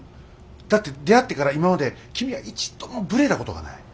だって出会ってから今まで君は一度もブレたことがない。